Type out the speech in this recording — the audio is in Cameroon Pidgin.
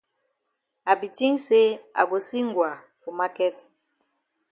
I be tink say I go see Ngwa for maket.